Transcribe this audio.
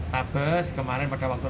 habis kemarin pada waktu ini